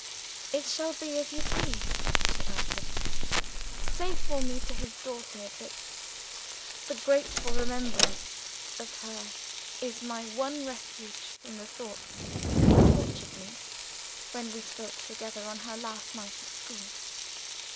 "'It shall be as you please,' she answered. 'Say for me to his daughter, that the grateful remembrance of her is my one refuge from the thoughts that tortured me, when we spoke together on her last night at school.